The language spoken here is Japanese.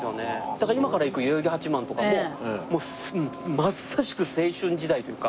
だから今から行く代々木八幡とかもまさしく青春時代というか。